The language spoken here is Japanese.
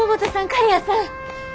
刈谷さん！